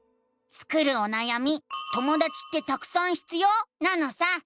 スクるおなやみ「ともだちってたくさん必要？」なのさ！